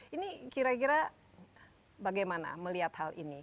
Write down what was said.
ini kira kira bagaimana melihat hal ini